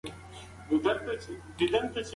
قمري د باد په وړاندې مقابله کوله.